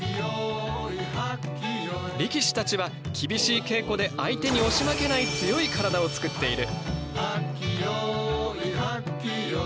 力士たちは厳しい稽古で相手に押し負けない強い体を作っている。